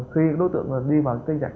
khi đối tượng đi bằng kênh dạch